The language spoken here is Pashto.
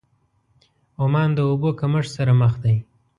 عمان د اوبو کمښت سره مخ دی.